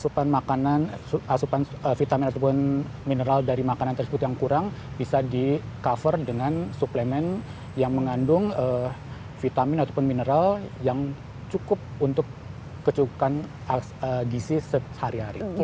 jadi makannya asupan makanan asupan vitamin ataupun mineral dari makanan tersebut yang kurang bisa di cover dengan supplement yang mengandung vitamin ataupun mineral yang cukup untuk kecukupan gizi sehari hari